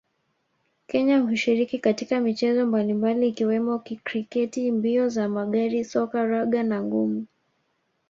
Kenya hushiriki katika michezo mbalimbali ikiwemo kriketi mbio za magari soka raga na ngumi